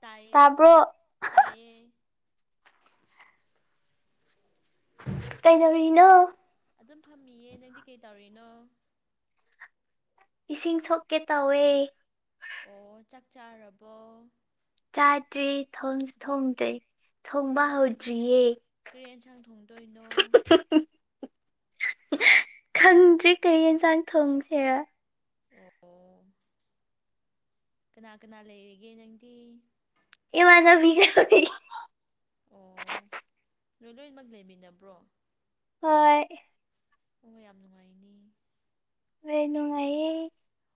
ꯇꯥꯏꯌꯦ ꯇꯥꯕ꯭ꯔꯣ ꯇꯥꯏꯌꯦ ꯀꯩꯗꯧꯔꯤꯅꯣ ꯑꯗꯨꯝ ꯐꯝꯃꯤꯌꯦ ꯅꯪꯗꯤ ꯀꯩ ꯇꯧꯔꯤꯅꯣ ꯏꯁꯤꯡ ꯁꯣꯛꯀꯦ ꯇꯧꯋꯦ ꯑꯣ ꯆꯥꯛ ꯆꯥꯔꯕꯣ ꯆꯥꯗ꯭ꯔꯤ ꯊꯣꯡꯁꯨ ꯊꯣꯡꯗꯔꯤ ꯊꯣꯡꯕ ꯑꯣ ꯍꯧꯗ꯭ꯔꯤꯌꯦ ꯀꯔꯤ ꯑꯦꯟꯁꯥꯡ ꯊꯣꯡꯗꯣꯏꯅꯣ ꯈꯪꯗ꯭ꯔꯤ ꯀꯩ ꯌꯦꯟꯁꯥꯡ ꯊꯣꯡꯁꯦꯔ ꯑꯣ ꯀꯅꯥ ꯀꯅꯥ ꯂꯩꯔꯤꯒꯦ ꯅꯪꯗꯤ ꯏꯃꯥꯟꯅꯕꯤꯒ ꯂꯩ ꯅꯤꯏ ꯂꯣꯏꯃꯛ ꯂꯩꯃꯤꯟꯅꯕ꯭ꯔꯣ ꯍꯣꯏ ꯑꯣ ꯌꯥꯝ ꯅꯨꯉꯥꯏꯅꯤ ꯋꯦ ꯅꯨꯡꯉꯥꯏꯌꯦ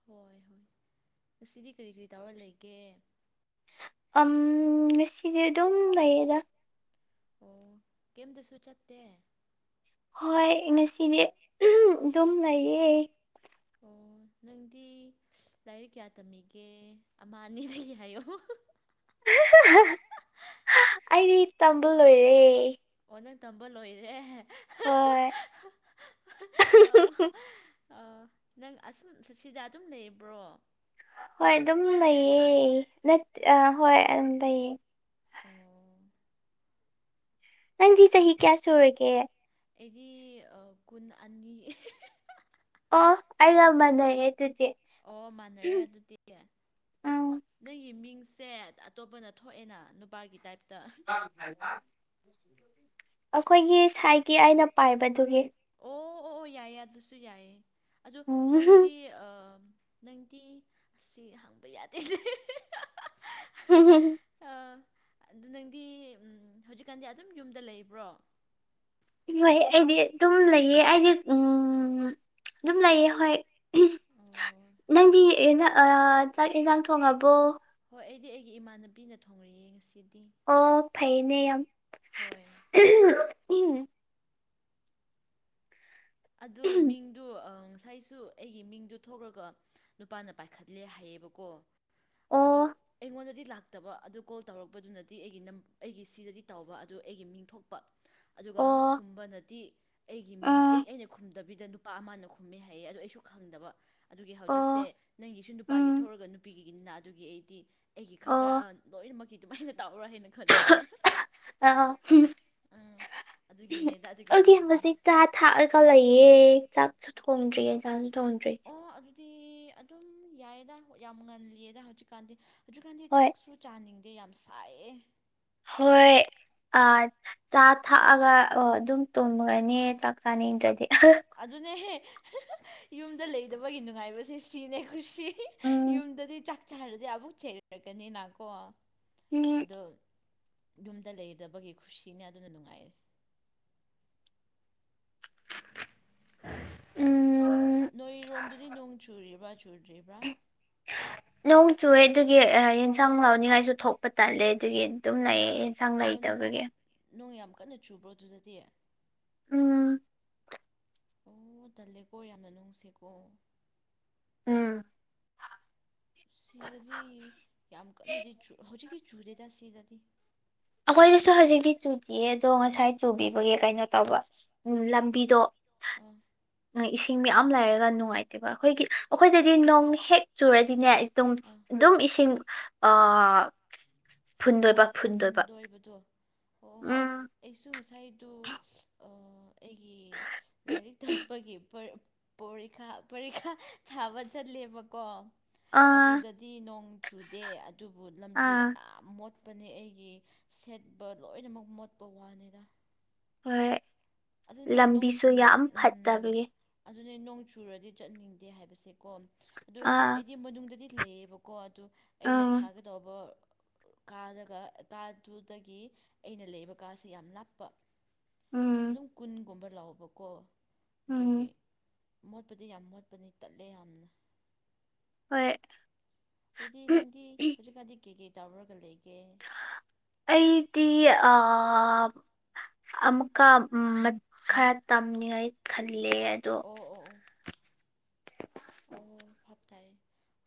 ꯍꯣꯏ ꯍꯣꯏ ꯉꯁꯤꯗꯤ ꯀꯔꯤ ꯀꯔꯤ ꯇꯧꯔ ꯂꯩꯒꯦ ꯑꯝ ꯉꯁꯤꯗꯤ ꯑꯗꯨꯝ ꯂꯩꯌꯦꯗ ꯑꯣ ꯀꯦꯝꯇꯁꯨ ꯆꯠꯇꯦ ꯍꯣꯏ ꯉꯁꯤꯗꯤ ꯑꯗꯨꯝ ꯂꯩꯌꯦ ꯑꯣ ꯅꯪꯗꯤ ꯂꯥꯏꯔꯤꯛ ꯀ꯭ꯌꯥ ꯇꯝꯃꯤꯒꯦ ꯑꯃ ꯑꯅꯤꯗꯒꯤ ꯍꯥꯏꯌꯣ ꯑꯩꯗꯤ ꯇꯝꯕ ꯂꯣꯏꯔꯦ ꯑꯣ ꯅꯪ ꯇꯝꯕ ꯂꯣꯏꯔꯦ ꯍꯣꯏ ꯑ ꯅꯪ ꯑꯁꯨꯝ ꯁꯤ ꯁꯤꯗ ꯑꯗꯨꯝ ꯂꯩꯕ꯭ꯔꯣ ꯍꯣꯏ ꯑꯗꯨꯝ ꯂꯩꯌꯦ ꯅꯠ ꯑ ꯍꯣꯏ ꯑ ꯂꯩꯌꯦ ꯑꯣ ꯅꯪꯗꯤ ꯆꯍꯤ ꯀ꯭ꯌꯥ ꯁꯨꯔꯒꯦ ꯑꯩꯗꯤ ꯑꯥ ꯀꯨꯟ ꯑꯅꯤ [unintelligible] ꯑꯣ ꯑꯩꯒ ꯃꯥꯟꯅꯩꯌꯦ ꯑꯗꯨꯗꯤ ꯑꯣ ꯃꯥꯟꯅꯔꯦ ꯑꯗꯨꯗꯤ ꯎꯝ ꯅꯪꯒꯤ ꯃꯤꯡꯁꯦ ꯑꯇꯣꯞꯄꯅ ꯊꯣꯛꯑꯦꯅ ꯅꯨꯄꯥꯒꯤ ꯇꯥꯏꯞ [unintelligible] ꯑꯩꯈꯣꯏꯒꯤ ꯁꯥꯏꯒꯤ ꯑꯩꯅ ꯄꯥꯏꯕꯗꯨꯍꯦ ꯑꯣ ꯑꯣ ꯑꯣ ꯌꯥꯏꯌꯦ ꯑꯗꯨꯁꯨ ꯌꯥꯏꯌꯦ ꯑꯗꯣ ꯎꯝ ꯅꯪꯗꯤ ꯑꯥ ꯅꯪꯗꯤ ꯁꯤ ꯍꯪꯕ ꯌꯥꯗꯦ [unintelligible] [unintelligible] ꯑꯗꯨ ꯅꯪꯗꯤ ꯎꯝ ꯍꯨꯖꯤꯛꯀꯥꯟꯗꯤ ꯑꯗꯨꯝ ꯌꯨꯝꯗ ꯂꯩꯕ꯭ꯔꯣ ꯏꯃꯩ ꯑꯩꯗꯤ ꯑꯗꯨꯝ ꯂꯩꯌꯦ ꯑꯩꯗꯤ ꯎꯝ ꯗꯨꯝ ꯂꯩꯌꯦ ꯍꯣꯏ ꯑꯣ ꯅꯪꯗꯤ ꯑꯦꯅ ꯑꯥ ꯆꯥꯛ ꯍꯦꯟꯁꯥꯡ ꯊꯣꯡꯉꯕꯣ ꯍꯣꯏ ꯑꯩꯗꯤ ꯑꯩꯒꯤ ꯏꯃꯥꯟꯅꯕꯤꯅ ꯊꯣꯡꯔꯛꯑꯦ ꯉꯁꯤ ꯑꯣ ꯐꯩꯅꯦ ꯌꯥꯝ ꯍꯣꯏ ꯑꯗꯨ ꯃꯤꯡꯗꯨ ꯑꯪ ꯉꯁꯥꯏꯁꯨ ꯑꯩꯒꯤ ꯃꯤꯡꯗꯨ ꯊꯣꯛꯔꯒ ꯅꯨꯄꯥꯅ ꯄꯥꯏꯈꯠꯂꯦ ꯍꯥꯏꯌꯦꯕꯀꯣ ꯑꯗꯨ ꯑꯣ ꯑꯩꯉꯣꯟꯗꯗꯤ ꯂꯥꯛꯇꯕ ꯑꯗꯨ ꯀꯣꯜ ꯇꯧꯔꯛꯄꯗꯨꯅꯗꯤ ꯑꯩꯒꯤ ꯅꯝ ꯑꯩꯒꯤ ꯁꯤꯗꯗꯤ ꯇꯥꯎꯕ ꯑꯗꯨ ꯑꯩꯒꯤ ꯃꯤꯡ ꯊꯣꯛꯄ ꯑꯗꯨꯒ ꯑꯣ ꯈꯨꯝꯕꯅꯗꯤ ꯑꯩꯒꯤ ꯃꯤꯡ ꯑꯩ ꯎꯝ ꯑꯩꯅ ꯈꯨꯝꯗꯕꯤꯗ ꯅꯨꯄꯥ ꯑꯃꯅ ꯈꯨꯝꯃꯦ ꯍꯥꯏꯌꯦ ꯑꯗꯨ ꯑꯩꯁꯨ ꯈꯪꯗꯕ ꯑꯗꯨꯒꯤ ꯍꯧꯖꯤꯛꯁꯦ ꯑꯣ ꯅꯪꯒꯤꯁꯨ ꯅꯨꯄꯥꯒꯤ ꯎꯝ ꯊꯧꯔꯒ ꯅꯨꯄꯤꯒꯤꯒꯤꯅꯤꯅ ꯑꯗꯨꯒꯤ ꯑꯩꯗꯤ ꯑꯩꯒꯤ ꯈꯛꯔ ꯑꯣ ꯑꯥ ꯂꯣꯏꯅꯃꯛꯇꯤ ꯑꯗꯨꯃꯥꯏꯅ ꯇꯧꯕꯔ ꯍꯥꯏꯅ ꯈꯟꯕ [unintelligible] [unintelligible] ꯎꯝ ꯑꯗꯨꯒꯤꯅꯦꯗ ꯑꯗꯨꯒꯤ ꯍꯪꯕꯅꯤ ꯊꯥꯛꯑꯒ ꯂꯩꯌꯦ ꯑꯩ ꯆꯥꯛꯁꯨ ꯊꯣꯡꯗ꯭ꯔꯤ ꯍꯦꯟꯖꯥꯡꯁꯨ ꯊꯣꯡꯗ꯭ꯔꯤ ꯗꯤ ꯑꯗꯨꯝ ꯌꯥꯏꯌꯦꯗ ꯌꯥꯝ ꯉꯜꯂꯤꯌꯦꯗ ꯍꯧꯖꯤꯛꯀꯥꯟꯗꯤ ꯍꯧꯖꯤꯛꯀꯥꯟꯗꯤ ꯍꯣꯏ ꯆꯥꯛꯁꯨ ꯆꯥꯅꯤꯡ ꯗꯦ ꯌꯥꯝ ꯁꯥꯏꯌꯦ ꯍꯣꯏ ꯑꯥ ꯆꯥ ꯊꯥꯛꯑꯒ ꯑꯥ ꯗꯨꯝ ꯇꯨꯝꯒ꯭ꯔꯅꯤ ꯆꯥꯛ ꯆꯥꯅꯤꯡꯗ꯭ꯔꯗꯤ ꯑꯗꯨꯅꯦꯍꯦ [unintelligible] ꯌꯨꯝꯗ ꯂꯩꯗꯕꯒꯤ ꯅꯨꯡꯉꯥꯏꯕꯁꯦ ꯁꯤꯅꯦ ꯈꯨꯁꯤ ꯎꯝ ꯌꯨꯝꯗꯗꯤ ꯆꯥꯛ ꯆꯥꯔꯗꯤ ꯑꯃꯨꯛ ꯆ ꯔꯛꯀꯅꯤꯅꯥꯀꯣ ꯎꯝ ꯌꯨꯝꯗ ꯂꯩꯗꯕꯒꯤ ꯈꯨꯁꯤꯅꯦ ꯑꯗꯨꯅ ꯅꯨꯡꯉꯥꯏꯔꯦ ꯎꯝ ꯅꯣꯏꯔꯣꯝꯗꯨꯗꯤ ꯅꯣꯡ ꯆꯨꯔꯤꯕ꯭ꯔꯥ ꯆꯨꯗ꯭ꯔꯤꯕ꯭ꯔꯥ ꯅꯣꯡ ꯆꯨꯑꯦ ꯑꯗꯨꯒꯤ ꯌꯦꯟꯁꯥꯡ ꯂꯥꯎꯅꯤꯡꯉꯥꯏꯁꯨ ꯊꯣꯛꯄ ꯇꯜꯂꯦ ꯑꯗꯨꯒꯤ ꯑꯗꯨꯝ ꯂꯩꯌꯦ ꯑꯦꯟꯁꯥꯡ ꯑꯣ ꯂꯩꯇꯕꯒꯤ ꯅꯣꯡ ꯌꯥꯝ ꯀꯟꯅ ꯆꯨꯕ꯭ꯔꯣ ꯑꯗꯨꯗꯗꯤ ꯎꯝ ꯑꯣ ꯇꯜꯂꯦꯀꯣ ꯌꯥꯝꯅ ꯅꯨꯡꯁꯦꯀꯣ ꯎꯝ ꯁꯤꯗꯗꯤ ꯌꯥꯝ ꯀꯟꯅꯗꯤ ꯆꯨ ꯍꯧꯖꯤꯛꯇꯤ ꯆꯨꯨꯔꯗꯦꯗ ꯁꯤꯗꯗꯤ ꯑꯈꯣꯏꯗꯁꯨ ꯍꯧꯖꯤꯛꯇꯤ ꯆꯨꯗꯤꯌꯦ ꯑꯗꯣ ꯉꯁꯥꯏ ꯆꯨꯕꯤꯕꯒꯤ ꯀꯩꯅꯣ ꯇꯧꯕ ꯎꯝ ꯂꯝꯕꯤꯗꯣ ꯑꯣ ꯉ ꯏꯁꯤꯡ ꯃꯌꯥꯝ ꯂꯩꯔꯒ ꯅꯨꯡꯉꯥꯏꯇꯦꯕ ꯑꯈꯣꯏꯒꯤ ꯑꯈꯣꯏꯗꯗꯤ ꯅꯣꯡ ꯍꯦꯛ ꯆꯨꯔꯗꯤꯅꯦ ꯏ ꯗꯨꯝ ꯑꯥ ꯑꯣ ꯗꯨꯝ ꯏꯁꯤꯡ ꯑꯥ ꯐꯨꯟꯗꯣꯏꯕ ꯐꯨꯟꯗꯣꯏꯕ ꯗꯣ ꯑꯣ ꯑꯣ ꯎꯝ ꯑꯩꯁꯨ ꯉꯁꯥꯏꯗꯨ ꯑ ꯑꯩꯒꯤ ꯂꯥꯏꯔꯤꯛ ꯇꯝꯄꯒꯤ ꯄꯔ ꯄꯣꯔꯤꯈꯥ ꯄꯔꯤꯈꯥ ꯊꯥꯕ ꯆꯠꯂꯦꯕꯀꯣ ꯑꯥ ꯑꯗꯨꯗꯗꯤ ꯅꯣꯡ ꯆꯨꯗꯦ ꯑꯗꯨꯕꯨ ꯂꯝꯕꯤꯗꯨ ꯑꯥ ꯌꯥꯝ ꯃꯣꯠ ꯄꯅꯦ ꯑꯩꯒꯤ ꯁꯦꯠꯄ ꯂꯣꯏꯅꯃꯛ ꯃꯣꯠꯄ ꯋꯥꯅꯤꯗ ꯍꯣꯏ ꯑꯗꯨꯅꯦ ꯅꯣꯡ ꯂꯝꯕꯤꯁꯨ ꯆꯨꯔ ꯌꯥꯝ ꯎꯝ ꯐꯠꯇꯕꯒꯤ ꯑꯗꯨꯅꯦ ꯅꯣꯡ ꯆꯨꯔꯗꯤ ꯆꯠꯅꯤꯡꯗꯦ ꯍꯥꯏꯕꯁꯦꯀꯣ ꯑꯗꯨ ꯑꯥ ꯑꯩꯗꯤ ꯃꯅꯨꯡꯗꯗꯤ ꯂꯩꯌꯦꯕꯀꯣ ꯑꯗꯨ ꯑꯩꯅ ꯎꯝ ꯊꯥꯒꯗꯧꯕ ꯀꯥꯗꯒ ꯀꯥꯗꯨꯗꯒꯤ ꯑꯩꯅ ꯂꯩꯕ ꯀꯥꯁꯦ ꯌꯥꯝ ꯂꯥꯞꯄ ꯎꯝ ꯑꯗꯨꯝ ꯀꯨꯟꯒꯨꯝꯕ ꯂꯥꯎꯕꯀꯣ ꯑꯗꯨꯒꯤ ꯎꯝ ꯃꯣꯠꯄꯗꯤ ꯌꯥꯝ ꯃꯣꯠꯄꯅꯦ ꯇꯜꯂꯦ ꯌꯥꯝꯅ ꯍꯣꯏ ꯑꯗꯨꯗꯤ ꯅꯪꯗꯤ ꯍꯧꯖꯤꯛꯀꯥꯟꯗꯤ ꯀꯩ ꯀꯩ ꯇꯧꯔꯨꯔꯒ ꯂꯩ ꯑꯩꯗꯤ ꯑ ꯑꯥ ꯑꯃꯨꯛꯀ ꯎꯝ ꯈꯔ ꯇꯝꯅꯤꯉꯥꯏ ꯈꯜ ꯂꯦ ꯑꯗꯣ ꯑꯣ ꯑꯣ ꯑꯣ ꯐꯥꯞ ꯇꯥꯏꯌꯦ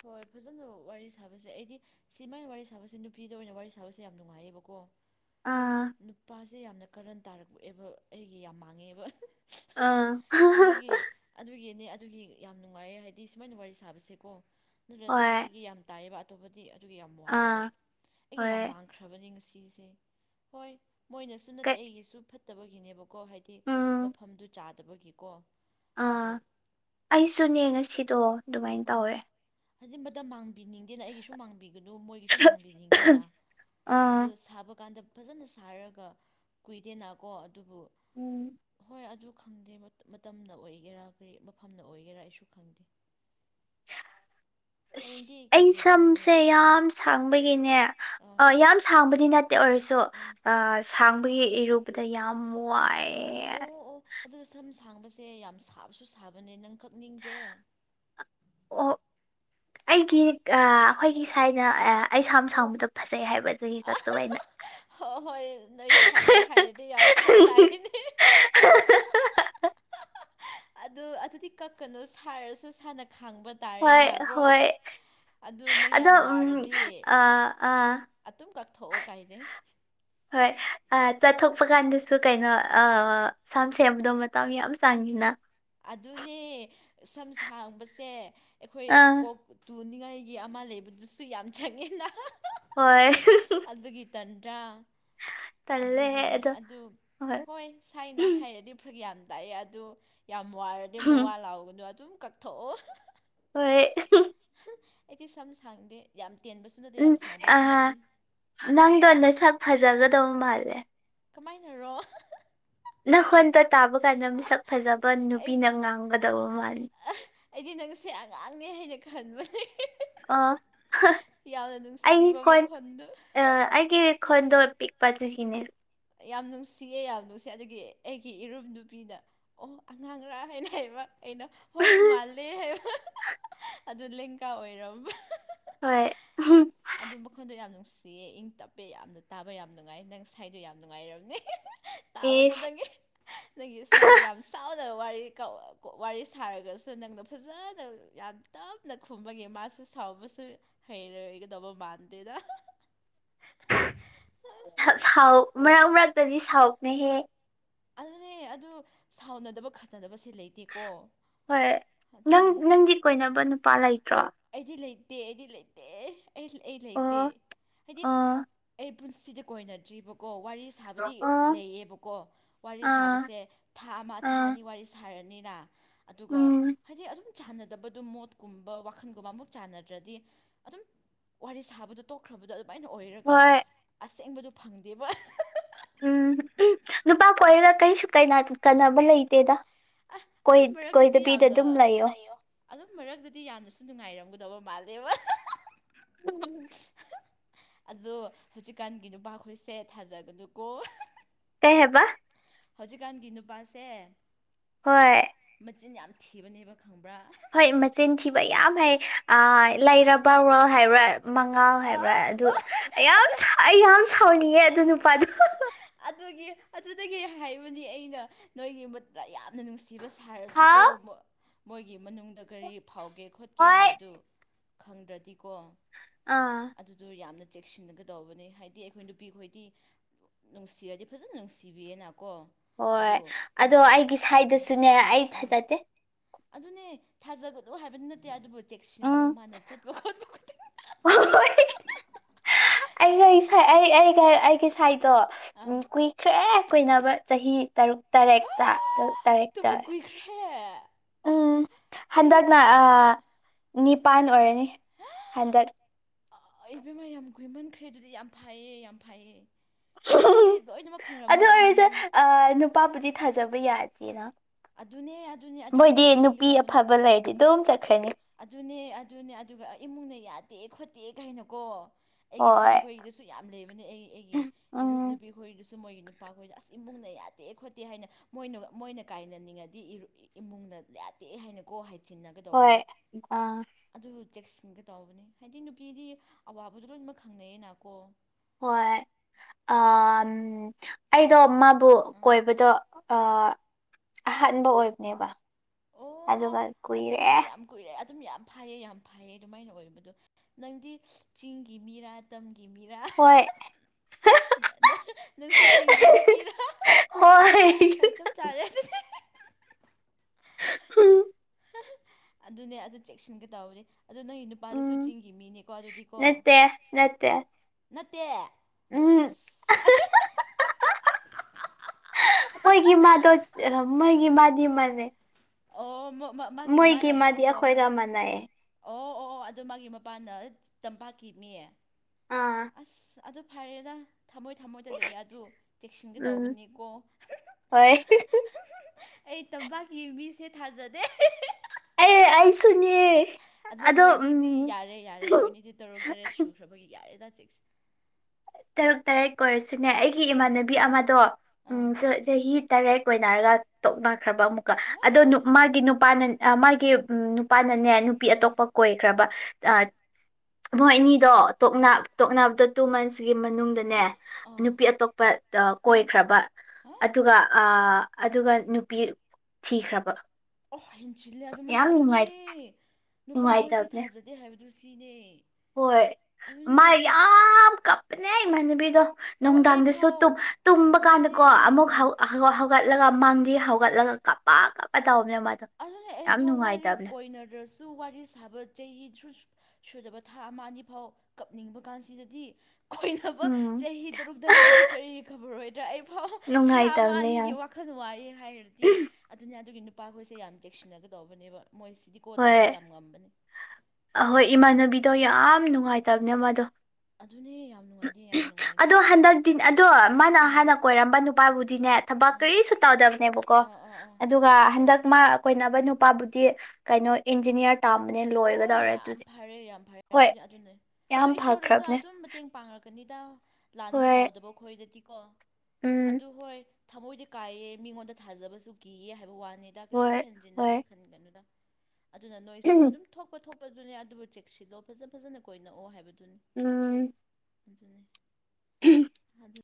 ꯍꯣꯏ ꯐꯖꯅ ꯋꯥꯔꯤ ꯁꯥꯕꯁꯦ ꯑꯩꯗꯤ ꯁꯤ ꯃꯥꯥꯏꯅ ꯋꯥꯔꯤ ꯁꯥꯕꯁꯦ ꯅꯨꯄꯤꯗ ꯑꯣꯏꯅ ꯋꯥꯔꯤ ꯁꯥꯕꯁꯦ ꯌꯥꯝ ꯅꯨꯡꯉꯥꯏꯌꯦꯕꯀꯣ ꯑꯥ ꯁꯤ ꯌꯥꯝꯅ ꯀꯔꯟ ꯇꯥꯔꯛꯑꯦꯕ ꯑꯩꯒꯤ ꯌꯥꯝ ꯃꯥꯡꯉꯦꯕ ꯑꯥ ꯅꯦ ꯑꯗꯨꯒꯤ ꯌꯥꯝ ꯅꯨꯡꯉꯥꯏꯌꯦ ꯍꯥꯏꯗꯤ ꯁꯨꯃꯥꯏꯅ ꯋꯥꯔꯤ ꯁꯥꯕꯁꯦꯀꯣ ꯗꯨꯗ꯭ꯔꯗꯤ ꯍꯣꯏ ꯐꯥꯒꯤ ꯌꯥꯝ ꯇꯥꯏꯌꯦꯕ ꯇꯣꯕꯗꯤ ꯑꯗꯨꯒꯤ ꯌꯥꯝ ꯋꯥꯏꯋꯦꯕ ꯑꯥ ꯑꯩꯒꯤ ꯍꯣꯏ ꯌꯥꯝ ꯃꯥꯡꯈ꯭ꯔꯕꯅꯤ ꯉꯁꯤꯁꯦ ꯍꯣꯏ ꯃꯣꯏꯅꯁꯨ ꯅꯠꯇꯦ ꯀꯩ ꯑꯩꯒꯤꯁꯨ ꯐꯠꯇꯕꯒꯤꯅꯦꯕꯀꯣ ꯍꯥꯏꯗꯤ ꯎꯝ ꯃꯐꯝꯗꯨ ꯆꯥꯗꯕꯒꯤꯀꯣ ꯑꯥ ꯑꯗꯨ ꯑꯩꯁꯨꯅꯦ ꯉꯁꯤꯗꯣ ꯗꯨꯃꯥꯏ ꯎꯝ ꯇꯧꯋꯦ ꯍꯥꯏꯗꯤ ꯃꯇꯝ ꯃꯥꯡꯕꯤꯅꯤꯡꯗꯦꯅ ꯑꯩꯒꯤꯁꯨ ꯃꯥꯡꯕꯤ ꯒꯅꯨ ꯃꯣꯏꯒꯤꯁꯨ ꯃꯥꯡꯕꯤꯅꯤꯡꯗꯦꯅ ꯑꯥ ꯑꯗꯨꯗ ꯁꯥꯕ ꯀꯥꯟꯗ ꯐꯖꯅ ꯁꯥꯔꯒ ꯀꯨꯏꯗꯦꯅꯀꯣ ꯑꯗꯨꯕꯨ ꯎꯝ ꯍꯣꯏ ꯑꯗꯨ ꯈꯪꯗꯦꯕ ꯃꯇꯝꯅ ꯑꯣꯏꯒꯦꯔꯥ ꯀꯔꯤ ꯃꯐꯝꯅ ꯑꯣꯏꯒꯦꯔꯥ ꯑꯩꯁꯨ ꯈꯪꯗꯦ [unintelligible] ꯑꯁ ꯍꯌꯦꯡꯗꯤ ꯑꯩ ꯀꯩꯀꯩ ꯇꯧꯅꯤ ꯁꯝꯁꯦ ꯌꯥꯝ ꯁꯥꯡꯕꯒꯤꯅꯦ ꯑꯥ ꯌꯥꯝ ꯁꯥꯡꯕꯗꯤ ꯅꯠꯇꯦ ꯑꯣꯏꯔꯁꯨ ꯑꯥ ꯁꯥꯡꯕꯒꯤ ꯏꯔꯨꯕꯗ ꯌꯥꯝ ꯋꯥꯏꯌꯦ ꯑꯣ ꯑꯣ ꯑꯗꯨ ꯁꯝ ꯁꯥꯡꯕꯁꯦ ꯌꯥꯝ ꯁꯥꯕꯁꯨ ꯁꯥꯕꯅꯦ ꯅꯪ ꯈꯛ ꯅꯤꯡꯗꯦ ꯑꯣ ꯑꯩꯒꯤ ꯑꯥ ꯑꯩꯈꯣꯏꯒꯤ ꯁꯥꯏꯗ ꯑꯩ ꯁꯥꯝ ꯁꯥꯡꯕꯗ ꯐꯖꯩ ꯍꯥꯏ ꯐꯖꯩꯒꯤ ꯀꯛꯇꯕ ꯑꯩꯅ ꯍꯣꯏ ꯍꯣꯏ ꯅꯣꯏ ꯁꯥꯏꯅ ꯍꯥꯏꯔꯗꯤ ꯌꯥꯝ ꯐ꯭ꯔꯛ ꯇꯥꯏꯌꯦꯅꯦ ꯑꯗꯨ ꯑꯗꯨꯗꯤ ꯀꯛꯀꯅꯨ ꯁꯥꯔꯁꯨ ꯁꯥꯥꯅ ꯈꯥꯡꯕ ꯍꯣꯏ ꯇꯥꯔꯦꯅ ꯀꯣ ꯍꯣꯏ ꯑꯗꯨ ꯅꯪ ꯑꯗꯣ ꯌꯥꯝ ꯎꯝ ꯋꯥꯔꯗꯤ ꯑ ꯑ ꯑꯗꯨꯝ ꯀꯛꯊꯣꯛꯑꯣ ꯀꯥꯏꯗꯦ ꯍꯣꯏ ꯑ ꯆꯠꯊꯣꯛꯄ ꯀꯥꯟꯗꯁꯨ ꯀꯩꯅꯣ ꯁꯝ ꯁꯦꯝꯕꯗꯣ ꯃꯇꯝ ꯌꯥꯝ ꯆꯥꯡꯉꯤꯅ ꯑꯗꯨꯅꯦ ꯁꯝ ꯁꯥꯡꯕꯁꯦ ꯑꯩꯈꯣꯏ ꯑꯥ ꯀꯣꯛ [unintelligible] ꯀꯨꯅꯤꯡꯉꯥꯏꯒꯤ ꯑꯃ ꯂꯩꯕꯗꯨꯁꯨ ꯌꯥꯝ ꯆꯪꯉꯦꯅ [unintelligible] ꯍꯣꯏ [unintelligible] ꯇꯟ꯭ꯔꯥ ꯇꯟ ꯇꯜꯂꯦ ꯑꯗꯨꯒꯤꯅꯦ ꯑꯗꯣ ꯑꯗꯨ ꯍꯣꯏ ꯁꯥꯏꯅ ꯍꯥꯏꯔꯗꯤ ꯐ꯭ꯔꯒꯌꯥ [unintelligible] [unintelligible] ꯑꯗꯨ ꯌꯥꯝ ꯋꯥꯔꯗꯤ ꯃꯋꯥ ꯂꯥꯎꯒꯅꯣ ꯑꯗꯨꯝ ꯀꯛꯊꯣꯛꯑꯣ ꯍꯣꯏ ꯑꯩꯗꯤ ꯁꯝ ꯁꯥꯡꯗꯦ ꯌꯥꯝ ꯇꯦꯟꯕꯁꯨ ꯅꯠꯇꯦ ꯌꯥꯝ ꯎꯝ ꯁꯥꯡꯕꯁꯨ ꯅꯠꯇꯦ ꯑ ꯅꯪꯗꯣ ꯅꯁꯛ ꯐꯖꯒꯗꯧ ꯃꯥꯜꯂꯦ ꯀꯃꯥꯏꯅꯔꯣ [unintelligible] ꯅꯪ ꯈꯣꯟꯗ ꯇꯥꯕ ꯀꯥꯟꯗ ꯃꯤꯁꯛ ꯐꯖꯕ ꯑꯩꯗꯤ ꯅꯨꯄꯤꯅ ꯉꯥꯡꯒꯗꯕ ꯃꯥꯜꯂꯤ ꯑꯩꯗꯤ ꯅꯪꯁꯦ ꯑꯉꯥꯡꯅꯦ ꯍꯥꯏꯅ ꯈꯟꯕꯅꯦ ꯑꯥ [unintelligible] ꯌꯥꯝꯅ ꯑꯩꯒꯤ ꯅꯨꯡꯁꯤꯕ ꯈꯣꯟ ꯃꯈꯣꯟꯗꯣ ꯑ ꯑꯩꯒꯤ ꯈꯣꯟꯗꯣ ꯄꯤꯛꯄ ꯑꯗꯨꯒꯤꯅꯦ ꯌꯥꯝ ꯅꯨꯡꯁꯤꯌꯦ ꯌꯥꯝ ꯅꯨꯡꯁꯤ ꯑꯗꯨꯒꯤ ꯑꯩꯒꯤ ꯏꯔꯨꯝ ꯅꯨꯄꯤꯗ ꯑꯣ ꯑꯉꯥꯡꯔꯥ ꯍꯥꯏꯅ ꯍꯥꯏꯕ ꯑꯩꯅ ꯍꯣꯏ ꯃꯥꯜꯂꯦ ꯍꯥꯏꯕ ꯑꯗꯨ ꯂꯦꯡꯀꯥ ꯑꯣꯏꯔꯝꯕ ꯍꯣꯏ ꯑꯗꯨ ꯃꯈꯣꯟꯗꯣ ꯌꯥꯝ ꯅꯨꯡ ꯁꯤꯌꯦ ꯏꯪ ꯇꯞꯄꯦ ꯌꯥꯝꯅ ꯇꯥꯕ ꯌꯥꯝ ꯅꯨꯡꯉꯥꯏ ꯅꯪ ꯁꯥꯏꯗꯣ ꯌꯥꯝ ꯅꯨꯡꯉꯥꯏꯔꯕꯅꯦ ꯇꯥꯕꯗ ꯑꯦꯁ ꯅꯪꯒꯤ [unintelligible] ꯅꯪꯒꯤ ꯁꯥꯏꯗꯣ ꯌꯥꯝ ꯁꯥꯎꯅ [unintelligible] ꯋꯥꯔꯤ ꯀ ꯋꯥꯔꯤ ꯁꯥꯔꯒꯁꯨ ꯅꯪꯅ ꯐꯖꯅ ꯌꯥꯝ ꯇꯞꯅ ꯈꯨꯝꯕꯒꯤ ꯃꯥꯁꯨ ꯁꯥꯎꯕꯁꯨ ꯍꯩꯔꯣꯏꯒꯗꯕ ꯃꯥꯟꯗꯦꯗ [unintelligible] ꯁꯥꯎ ꯃꯔꯛ ꯃꯔꯛ ꯃꯔꯛꯇꯗꯤ ꯁꯥꯎꯕꯅꯦꯍꯦ ꯑꯗꯨꯅꯦ ꯑꯗꯨ ꯁꯥꯎꯅꯗꯕ ꯈꯠꯅꯗꯕ ꯍꯣꯏ ꯅꯪ ꯑꯗꯨꯅꯦ ꯅꯪꯒꯤ ꯀꯣꯏꯅꯕ ꯅꯨꯄꯥ ꯂꯩ ꯑꯩꯗꯤ ꯂꯩꯇꯦ ꯑꯩꯗꯤ ꯂꯩꯇꯦ ꯑꯩ ꯑꯩ ꯂꯩꯇꯦ ꯑꯣ ꯍꯥꯏꯗꯤ ꯑꯣ ꯑꯩ ꯄꯨꯟꯁꯤꯗ ꯀꯣꯏꯅꯗ꯭ꯔꯤꯕꯀꯣ ꯋꯥꯔꯤ ꯁꯥꯕꯗꯤ ꯑꯣ ꯂꯩꯌꯦꯕꯀꯣ ꯋꯥꯔꯤ ꯑꯥ ꯁꯥꯕꯁꯦ ꯊꯥ ꯑꯃ ꯊꯥ ꯑꯥ ꯑꯅꯤ ꯋꯥꯔꯤ ꯁꯥꯔꯦ [unintelligible] ꯅꯤꯅ ꯑꯗꯨꯒ ꯎꯝ ꯍꯥꯏꯗꯤ ꯑꯗꯨꯝ ꯆꯥꯟꯅꯗꯕ ꯃꯣꯠꯀꯨꯝꯕ ꯋꯈꯟ [unintelligible] ꯃꯃꯨꯠ ꯆꯥꯟꯅꯗ꯭ꯔꯗꯤ ꯑꯗꯨꯝ ꯋꯥꯔꯤ ꯁꯥꯕꯗꯣ ꯇꯣꯛꯈ꯭ꯔꯕꯗꯣ ꯑꯗꯨ ꯑꯗꯨꯃꯥꯏꯅ ꯑꯣꯏꯔꯒ ꯍꯣꯏ ꯑꯁꯦꯡꯕꯗꯨ ꯐꯪꯗꯦꯕ ꯎꯝ [unintelligible] ꯅꯨꯄꯥ ꯀꯣꯏꯔ ꯀꯩꯁꯨ ꯀꯩꯅ ꯀꯥꯟꯅꯕ ꯂꯩꯇꯦꯗ ꯀꯣꯏ ꯑꯗꯨꯝ ꯃꯔꯛꯇꯗꯤ ꯀꯣꯏꯗꯕꯤꯗ ꯌꯥꯝꯅ ꯑꯗꯨꯝ ꯂꯩꯌꯣ ꯑꯗꯨꯝ ꯃꯔꯛꯇꯗꯤ ꯌꯥꯝꯅꯁꯨ ꯅꯨꯡꯉꯥꯏꯔꯝꯒꯗꯧꯕ ꯃꯥꯜꯂꯦꯕ [unintelligible] ꯎꯝ [unintelligible] ꯑꯗꯣ ꯍꯧꯖꯤꯛꯀꯥꯟꯒꯤ ꯅꯨꯄꯥꯈꯣꯏꯁꯦ ꯊꯥꯖꯒꯅꯨꯀꯣ ꯀꯩ ꯍꯥꯏꯕ ꯍꯧꯖꯤꯛꯀꯥꯟꯒꯤ ꯅꯨꯄꯥꯁꯦ ꯍꯣꯏ ꯆꯟ ꯌꯥꯝ ꯊꯤꯕꯅꯦꯕ ꯈꯪꯕ꯭ꯔꯥ ꯍꯣꯏ ꯃꯆꯤꯟ ꯊꯤꯕ ꯌꯥꯝ ꯍꯩ ꯑ ꯂꯩꯔꯕ ꯋꯥꯔꯜ ꯍꯥꯏꯕ꯭ꯔꯥ ꯃꯉꯥꯜ ꯍꯥꯏꯕ꯭ꯔꯥ ꯑꯥ ꯑꯗꯨ ꯑꯩ ꯌꯥꯝ ꯑꯗꯨ ꯑꯩ ꯌꯥꯝ ꯁꯥꯎꯅꯤꯡꯉꯦ ꯑꯗꯨ ꯅꯨꯄꯥꯗꯣ [unintelligible] ꯑꯗꯨꯒꯤ ꯑꯗꯨꯗꯒꯤ ꯍꯥꯏꯕꯅꯤ ꯑꯩꯅ ꯅꯣꯏꯒꯤ ꯃꯨꯠꯇ ꯌꯥꯝꯅ ꯅꯨꯡꯁꯤ ꯁꯤꯕ ꯁꯥꯔꯁꯨꯀꯣ ꯍꯥꯎ ꯃꯣꯏꯒꯤ ꯃꯅꯨꯡꯗ ꯀꯔꯤ ꯐꯥꯎꯒꯦ ꯈꯣꯠꯀꯦ ꯍꯣꯏ ꯍꯥꯏꯕꯗꯨ ꯈꯪꯗ꯭ꯔꯗꯤꯀꯣ ꯑꯥ ꯑꯗꯨꯗꯣ ꯌꯥꯝꯅ ꯆꯦꯛꯁꯤꯟꯒꯗꯧꯕꯅꯤ ꯍꯥꯏꯗꯤ ꯑꯩꯈꯣꯏ ꯅꯨꯄꯤ ꯈꯣꯏꯗꯤ ꯅꯨꯡꯁꯤꯔꯗꯤ ꯐꯖꯅ ꯅꯨꯡꯁꯤꯕꯤꯌꯦꯅ ꯍꯣꯏ ꯑꯗꯣ ꯑꯩꯒꯤ ꯁꯥꯏꯗꯁꯨꯅꯦ ꯑꯩ ꯑꯥ ꯊꯥꯖꯗꯦ ꯑꯗꯨꯅꯦ ꯊꯥꯖꯒꯅꯨ ꯍꯥꯏꯕꯗꯤ ꯅꯠꯇꯦ ꯑꯗꯨꯕꯨ ꯆꯦꯛꯁꯤꯟꯂꯣ ꯃꯥꯅ ꯆꯠꯄ ꯈꯣꯠꯄ ꯈꯨꯗꯤꯡꯗ [unintelligible] ꯑꯩ ꯑꯩꯒꯤ ꯁꯥꯢ ꯑꯩ ꯑꯩꯒ ꯑꯩꯒꯤ ꯁꯥꯏꯗꯣ ꯑꯥ ꯎꯝ ꯀꯨꯏꯈ꯭ꯔꯦ ꯀꯣꯏꯅꯕ ꯆꯍꯤ ꯇꯔꯨꯛ ꯇꯔꯦꯛꯇ ꯇꯔꯨꯛ ꯇꯔꯦꯛꯇ ꯇꯨꯝꯕ ꯀꯨꯏꯈ꯭ꯔꯦ ꯑꯣ ꯎꯝ ꯑꯩ ꯍꯟꯗꯛꯅ ꯑ ꯅꯤꯄꯥꯥꯟ ꯑꯣꯏꯔꯅꯤ ꯍꯟꯗꯛ ꯑ ꯏꯕꯦꯝꯃ ꯌꯥꯝ ꯀꯨꯏꯃꯟꯈ꯭ꯔꯦ ꯑꯗꯨꯗꯤ ꯌꯥꯝ ꯐꯌꯦ ꯌꯥꯝ ꯐꯌꯦ [unintelligible] ꯑꯗꯨ ꯑꯣꯏꯔꯁꯦ ꯃꯅꯨꯡ ꯑ ꯅꯨꯄꯥꯕꯨꯗꯤ ꯊꯥꯖꯕ ꯌꯥꯗꯦꯅ ꯑꯗꯨꯅꯦ ꯑꯗꯨꯅꯦ ꯑꯗꯨꯒꯤ ꯃꯣꯏꯗꯤ ꯅꯨꯄꯤ ꯆꯦꯛꯁꯤꯟꯒꯗꯧꯕꯅꯦ ꯑꯐꯕ ꯂꯩꯔꯗꯤ ꯑꯗꯨꯝ ꯆꯠꯈ꯭ꯔꯅꯤ ꯑꯗꯨꯅꯦ ꯑꯗꯨꯅꯦ ꯑꯗꯨꯒ ꯏꯃꯨꯡꯅ ꯌꯥꯗꯦ ꯈꯣꯠꯇꯦ ꯀꯩꯅꯀꯣ ꯑꯩꯒꯤ ꯐ꯭ꯔꯦꯟ ꯍꯣꯏ ꯈꯣꯏꯒꯤꯗꯁꯨ ꯌꯥꯝ ꯂꯩꯕꯅꯦ ꯑꯩ ꯑꯩꯒꯤ ꯏꯔꯨꯞ ꯎꯝ ꯅꯨꯄꯤ ꯈꯣꯏꯗ ꯁꯨ ꯃꯣꯏꯒꯤ ꯅꯨꯄꯥꯈꯣꯏꯅ ꯑꯁ ꯏꯃꯨꯡꯅ ꯌꯥꯗꯦ ꯈꯣꯠꯇꯦ ꯍꯥꯏꯅ ꯃꯣꯏꯅ ꯃꯣꯏꯅ ꯀꯥꯏꯅꯅꯤꯡꯉꯗꯤ ꯢꯔꯨ ꯢꯃꯨꯡ ꯅ ꯌꯥꯗꯦ ꯍꯥꯏꯅꯀꯣ ꯍꯥꯏꯖꯤꯟꯅꯒꯗꯧꯕꯅꯦ ꯒ꯭ꯋꯥ ꯗꯤ ꯆꯦꯛꯁꯤꯟꯒꯇꯧꯕꯅꯤ ꯍꯥꯏꯗꯤ ꯅꯨꯄꯤꯗꯤ ꯑꯋꯥꯕꯗꯨ ꯂꯣꯏꯅꯃꯛ ꯈꯪꯅꯩꯌꯦꯅꯥꯀꯣ ꯍꯣꯏ ꯑꯝ ꯑꯩꯗꯣ ꯃꯥ ꯕꯨ ꯎꯝ ꯀꯣꯏꯕꯗꯣ ꯑ ꯑꯍꯥꯟꯕ ꯑꯣꯏꯕꯅꯦꯕ ꯑꯣ ꯑꯗꯨꯒ ꯀꯨꯏꯔꯦ ꯑꯗꯨꯕꯨꯁꯨ ꯌꯥꯝ ꯀꯨꯏꯔꯦ ꯑꯗꯨꯝ ꯌꯥꯝ ꯐꯥꯏꯌꯦ ꯌꯥꯝ ꯐꯩꯌꯦ ꯑꯗꯨꯃꯥꯏꯅ ꯑꯣꯏꯕꯗꯣ ꯅꯪꯗꯤ ꯆꯤꯡꯒꯤ ꯃꯤꯔꯥ ꯇꯝ ꯍꯣꯏ ꯅꯪꯁꯨ ꯆꯤꯡꯒꯤ ꯃꯤꯔꯥ ꯍꯣꯏ ꯍꯣꯏ ꯆꯞ ꯆꯥꯔꯦ ꯑꯗꯨꯗꯤ ꯍꯝ ꯑꯗꯨꯅꯦ ꯑꯗꯨ ꯆꯦꯛꯁꯤꯟꯒꯗꯧꯕꯅꯤ ꯑꯗꯨꯗ ꯅꯪꯒꯤ ꯅꯨꯄꯥꯗꯨꯁꯨ ꯎꯝ ꯆꯤꯡꯒꯤ ꯃꯤꯅꯤꯀꯣ ꯑꯗꯨꯗꯤꯀꯣ ꯅꯠꯇꯦ ꯅꯠꯇꯦ ꯅꯠꯇꯦ ꯎꯝ ꯑꯁ [unintelligible] ꯑꯈꯣꯢꯒꯤ ꯢꯃꯥ ꯇꯠꯁ ꯑꯦꯍ ꯃꯣꯏꯒꯤ ꯃꯥꯗꯤ ꯃꯥꯅꯦ ꯑꯣ ꯃꯥꯒꯤ ꯃꯣꯏꯒꯤ ꯃꯥꯅ ꯃꯥꯗꯤ ꯍꯣꯏ ꯑꯈꯣꯏꯒ ꯍꯣꯏ ꯃꯥꯅꯌꯦ ꯑꯣ ꯑꯣ ꯑꯣ ꯑꯗꯨ ꯃꯥꯒꯤ ꯃꯄꯥꯟꯅ ꯇꯝꯄꯥꯛꯀꯤ ꯃꯤ ꯑꯥ ꯑꯁ ꯑꯗꯨ ꯐꯔꯦꯗ ꯊꯝꯃꯣꯏ ꯊꯝꯃꯣꯏꯗ ꯂꯩꯌꯦ ꯑꯗꯨ ꯎꯝ ꯆꯦꯛꯁꯤꯟꯒꯗꯧꯕꯅꯤꯀꯣ ꯍꯣꯏ [unintelligible] ꯑꯩ ꯇꯝꯄꯥꯛꯀꯤ ꯃꯤꯁꯦ ꯊꯥꯖꯗꯦ ꯑꯦ ꯑꯩꯁꯨꯅꯦ ꯑꯗꯨ ꯑꯗꯣ ꯎꯝ ꯅꯣꯏꯅꯤꯗꯤ ꯌꯥꯔꯦ ꯌꯥꯔꯦ ꯅꯣꯏꯅꯤꯗꯤ ꯇꯔꯨꯛ ꯇꯔꯦꯠ ꯁꯨꯈ꯭ꯔꯕꯒꯤ ꯌꯥꯔꯦꯗ ꯁꯤꯛꯁ ꯇꯔꯨꯛ ꯇꯔꯦꯠ ꯀꯣꯏꯔꯁꯨꯅꯦ ꯑꯩꯒꯤ ꯎꯝ ꯏꯃꯥꯟꯅꯕꯤ ꯑꯃꯗꯣ ꯑꯥ ꯎꯝ ꯆ ꯆꯍꯤ ꯇꯔꯦꯠ ꯀꯣꯏꯅꯔꯒ ꯇꯣꯛꯅꯈ꯭ꯔꯕ ꯑꯃꯨꯛꯀ ꯑꯗꯣ ꯅꯨ ꯃꯥꯒꯤ ꯅꯨꯄꯥꯅ ꯃꯥꯒꯤ ꯅꯨꯄꯥ ꯅꯅꯦ ꯅꯨꯄꯤ ꯑꯥ ꯑꯥ ꯑꯇꯣꯞꯄ ꯀꯣꯏꯈ꯭ꯔꯕ ꯑ ꯃꯣꯏ ꯍꯥ ꯑꯅꯤꯗꯣ ꯑꯥ ꯇꯣꯛꯅꯥꯞ ꯇꯣꯛꯅꯕꯗꯣ ꯇꯨ ꯃꯟ ꯁꯤꯒꯤ ꯃꯅꯨꯡꯗꯅꯦ ꯍꯥ ꯑꯥ ꯅꯨꯄꯤ ꯑꯇꯣꯞꯄ ꯀꯣꯏꯈ꯭ꯔꯕ ꯍꯥ ꯑꯗꯨꯒ ꯑꯥ ꯑꯗꯨꯒ ꯅꯨꯄꯤ ꯊꯤꯈ꯭ꯔꯕ ꯑꯣ ꯍꯦꯟꯆꯤꯜꯂꯦ ꯑꯗꯨꯃꯛꯇꯤ ꯌꯥꯝ ꯑꯗꯨꯅꯦ ꯅꯨꯡꯉꯥꯏ ꯅꯨꯄꯥꯈꯣꯏꯁꯦ ꯅꯨꯡꯉꯥꯏꯇꯕꯅꯦ ꯊꯥꯖꯗꯦ ꯍꯥꯏꯕꯗꯨ ꯁꯤꯅꯦ ꯍꯣꯏ ꯑꯗꯨꯅꯦ ꯃꯥ ꯌꯥꯝ ꯀꯞꯄꯅꯦ ꯏꯃꯥꯟꯅꯕꯤꯗꯣ ꯑꯣ ꯑꯩ ꯅꯨꯡꯗꯥꯡꯗꯁꯨ ꯐꯥꯎ ꯇꯨꯝ ꯇꯝꯕ ꯀꯥꯟꯗ ꯑꯗꯨꯅꯦ ꯀꯣ ꯑꯃꯨꯛ ꯑꯥ ꯍꯧ ꯍꯧ ꯍꯧ ꯍꯧꯒꯠꯂꯒ ꯃꯥꯡꯗꯤ ꯍꯥꯎꯒꯠꯂꯒ ꯀꯞꯄ ꯀꯞꯄ ꯇꯧ ꯑꯗꯨꯅꯦ ꯑꯩꯐꯥꯎ ꯋꯥꯔꯤ ꯀꯣꯏꯅꯗ꯭ꯔꯁꯨ ꯋꯥꯔꯤ ꯁꯥꯕ ꯆꯍꯤ ꯁꯨ ꯁꯨꯗꯕ ꯊꯥ ꯑꯃ ꯑꯅꯤ ꯐꯥꯎ ꯀꯞꯅꯤꯡꯕ ꯀꯥꯟꯁꯤꯗꯗꯤ ꯈꯣꯏꯅꯕ ꯎꯝ ꯆꯍꯤ ꯇꯔꯨꯛ ꯇꯔꯦꯗꯗꯤ ꯀꯔꯤ ꯈꯞꯄꯥꯔꯣꯏ ꯗꯔꯥ ꯑꯩꯐꯥꯎ ꯊꯥ ꯑꯃ ꯅꯨꯡꯉꯥꯏꯇꯕꯅꯦ ꯌꯥꯝ ꯑꯅꯤꯒꯤ ꯋꯥꯈꯟ ꯋꯥꯏꯑꯦ ꯍꯥꯏꯔꯗꯤ ꯑꯗꯨꯅꯦ ꯑꯗꯨꯒꯤ ꯅꯨꯞ ꯃꯣꯏꯁꯦ ꯌꯥꯝ ꯆꯦꯛꯁꯤꯟꯅꯒꯗꯧꯕꯅꯦꯕ ꯃꯣꯏꯁꯤꯗꯤꯀꯣ ꯍꯣꯏ ꯇꯥꯎꯕ ꯌꯥꯝ ꯉꯝꯕꯅꯦ ꯑꯍꯣꯏ ꯏꯃꯥꯟꯅꯕꯤꯗꯣ ꯌꯥꯝ ꯅꯨꯡꯉꯥꯏꯇ꯭ꯕꯅꯦ ꯃꯥꯗꯣ ꯑꯗꯨꯅꯦ ꯌꯥꯝ ꯅꯨꯡꯉꯥꯏꯇꯦ ꯌꯥꯝ [unintelligible] ꯑꯗꯣ ꯅꯨꯡꯉꯥꯏꯇꯦ ꯍꯟꯗꯛꯇꯤ ꯑꯗꯣ ꯃꯥꯅ ꯎꯝ ꯍꯥꯟꯅ ꯀꯣꯏꯔꯝꯕ ꯅꯨꯄꯥꯕꯨ ꯇꯤꯅꯦ ꯊꯕꯛ ꯑꯥ ꯀ꯭ꯔꯤꯁꯨ ꯇꯧꯗꯕꯅꯦꯕꯀꯣ ꯑꯥ ꯑꯥ ꯑꯥ ꯑꯗꯨꯒ ꯍꯟꯗꯛ ꯃꯥ ꯀꯣꯏꯅꯕ ꯅꯨꯄꯥꯕꯨꯗꯤ ꯀꯩꯅꯣ ꯏꯟꯖꯤꯅꯤꯌꯥꯔ ꯇꯝ ꯑꯣ ꯌꯥꯝ ꯐꯔꯦ ꯌꯥꯝ ꯐꯔꯦ ꯍꯣꯏ ꯑꯗꯨꯗꯤ ꯑꯗꯨꯅꯦ ꯑꯗꯨ ꯌꯥꯝ ꯏꯁꯣꯔꯅꯁꯨ ꯐꯈ꯭ꯔꯕꯅꯦ ꯑꯗꯨꯝ ꯃꯇꯦꯡ ꯄꯥꯡꯉꯔꯛ ꯑꯅꯤꯗ ꯂꯥꯟꯕ ꯍꯣꯏ ꯇꯥꯎꯗꯕ ꯑꯈꯣꯏꯗꯗꯤ ꯎꯝ ꯑꯗꯨ ꯍꯣꯏ ꯊꯃꯣꯏꯗꯤ ꯀꯥꯏꯌꯦ ꯃꯤꯉꯣꯟꯗ ꯊꯥꯖꯕꯁꯨ ꯀꯤꯌꯦ ꯍꯥꯏꯕ ꯋꯥꯟ ꯅꯤꯗ ꯀꯔꯤꯁꯨ ꯍꯣꯏ ꯍꯦꯟꯖꯤꯟꯅꯗꯤ ꯍꯣꯏ ꯈꯟꯒꯅꯨꯗ ꯑꯗꯨꯅ ꯅꯣꯏꯁꯨ ꯑꯗꯨꯝ ꯊꯣꯛꯄ ꯊꯣꯛꯄꯗꯨꯅꯦ ꯑꯗꯨꯕꯨ ꯆꯦꯛꯁꯤꯜꯂꯣ ꯐꯖꯟ ꯐꯖꯅ ꯀꯣꯏꯅꯧꯑꯣ ꯍꯥꯏꯕꯗꯨ ꯎꯝ [unintelligible] ꯑꯗꯨ